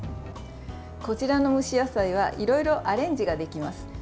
こちらの蒸し野菜はいろいろアレンジができます。